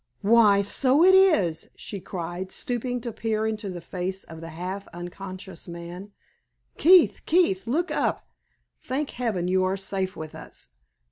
"Why, so it is!" she cried, stooping to peer into the face of the half unconscious man. "Keith! Keith! look up. Thank Heaven you are safe with us!